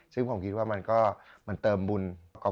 ซึ่งผมคิดว่ามันก็มันเติมบุญ